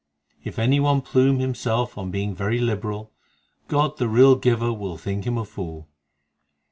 If any one plume himself on being very liberal, God the real Giver will think him a fool.